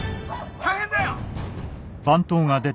大変だよ！